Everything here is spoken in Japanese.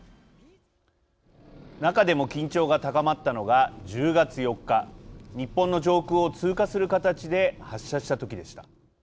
中でも緊張が高まったのが１０月４日、日本の上空を通過する形で発射した時でした。